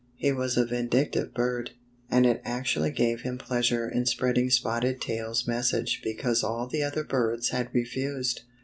He was a vindictive bird, and it actually gave him pleasure in spreading Spotted Tail's message because all the other birds had refused.